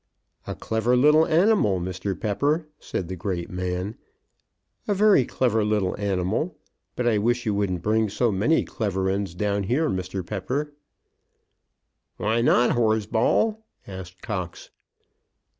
"A clever little animal, Mr. Pepper," said the great man, "a very clever little animal; but I wish you wouldn't bring so many clever un's down here, Mr. Pepper." "Why not, Horsball?" asked Cox.